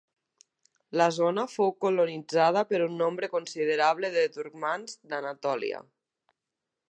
La zona fou colonitzada per un nombre considerable de turcmans d'Anatòlia.